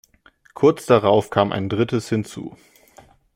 Kurz darauf kam ein drittes hinzu.